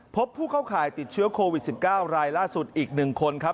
พบผู้เข้าข่ายติดเชื้อโควิด๑๙รายล่าสุดอีก๑คนครับ